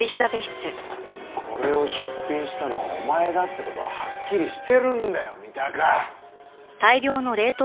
これを出品したのはお前だって事ははっきりしてるんだよ三鷹！